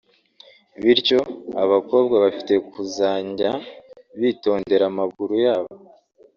Bityo abakobwa bafite kuzanjya bitondera amaguru yabo